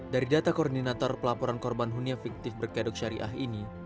dari data koordinator pelaporan korban hunia fiktif berkedok syariah ini